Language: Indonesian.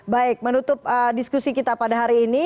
baik menutup diskusi kita pada hari ini